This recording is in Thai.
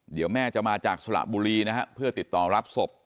เดี๋ยวแม่จะมาจากสระบุรีนะฮะเพื่อติดต่อรับศพ